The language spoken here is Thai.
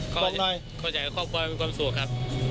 คนอยากให้ครอบครัวมีความสุขครับ